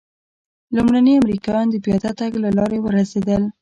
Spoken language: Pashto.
لومړني امریکایان د پیاده تګ له لارې ورسېدل.